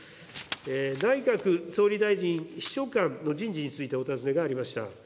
内閣総理大臣秘書官の人事についてお尋ねがありました。